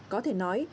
có thể nói